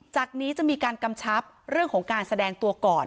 จากนี้จะมีการกำชับเรื่องของการแสดงตัวก่อน